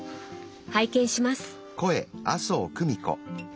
拝見します！